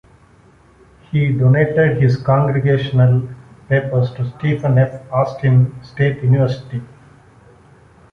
He donated his congressional papers to Stephen F. Austin State University.